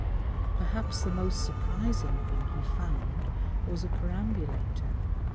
Perhaps the most surprising thing he found was a perambulator.